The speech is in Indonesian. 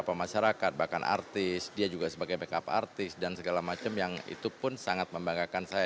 dari beberapa masyarakat bahkan artis dia juga sebagai make up artis dan segala macem yang itu pun sangat membanggakan saya